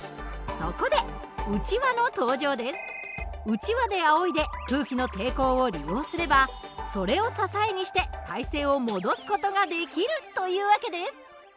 うちわであおいで空気の抵抗を利用すればそれを支えにして体勢を戻す事ができるという訳です。